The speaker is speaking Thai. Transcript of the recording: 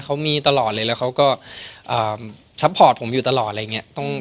เขามีตลอดเลยแล้วเขาก็ซัพพอร์ตผมอยู่ตลอดอะไรอย่างเงี้ย